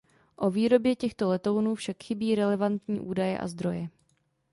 O výrobě těchto letounů však chybí relevantní údaje a zdroje.